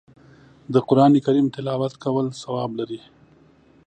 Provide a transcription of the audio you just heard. د قرآن کریم تلاوت کول ثواب لري